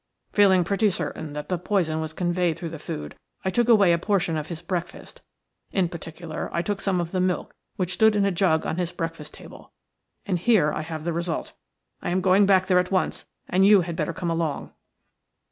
Feeling pretty certain that the poison was conveyed through the food, I took away a portion of his breakfast – in particular I took some of the milk which stood in a jug on his breakfast table. And here I have the result. I am going back there at once, and you had better come along."